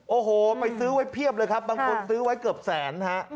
โอ้โหไปซื้อไว้เพียบเลยครับบางคนซื้อไว้เกือบแสนฮะ